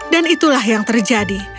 dan itulah yang terjadi